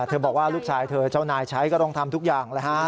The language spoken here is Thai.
บอกว่าลูกชายเธอเจ้านายใช้ก็ต้องทำทุกอย่างเลยฮะ